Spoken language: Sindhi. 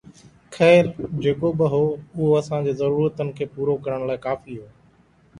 خير، جيڪو به هو، اهو اسان جي ضرورتن کي پورو ڪرڻ لاء ڪافي هو